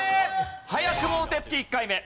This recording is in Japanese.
早くもお手つき１回目。